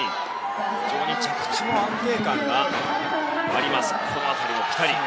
非常に着地の安定感があります。